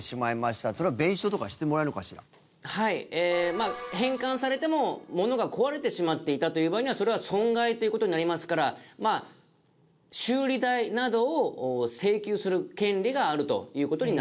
まあ返還されてもものが壊れてしまっていたという場合にはそれは損害という事になりますから修理代などを請求する権利があるという事になります。